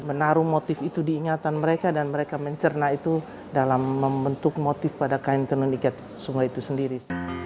menaruh motif itu diingatan mereka dan mereka mencerna itu dalam membentuk motif pada kain tenun ikat sungai itu sendiri